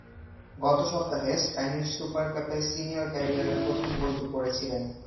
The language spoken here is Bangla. গত সপ্তাহে স্প্যানিশ সুপার কাপে সিনিয়র ক্যারিয়ারে প্রথম গোলটি করেছিলেন।